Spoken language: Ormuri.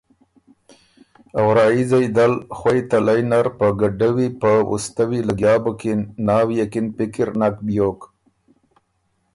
ا ورائیځئ دل خوئ تلئ نر په ګډوّی په وُستوّی لګیا بُکِن، ناويې کی ن پِکر نک بیوک۔